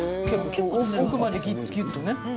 奥までギュッギュッとね。